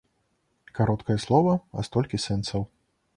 Кароткае слова, а столькі сэнсаў.